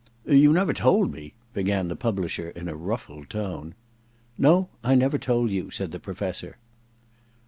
* You never told me ' began the publisher in a ruffled tone. * No, I never told you,' said the Professor.